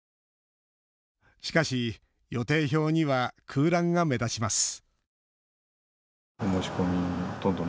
しかし、予定表には空欄が目立ちます